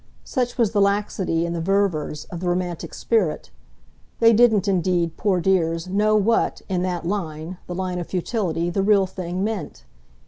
Such was the laxity, in the Ververs, of the romantic spirit. They didn't, indeed, poor dears, know what, in that line the line of futility the real thing meant.